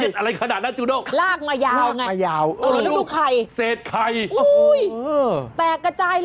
โอ้วมันเย็นอะไรขนาดนะจูด้งลากมายาลไงลากมายาล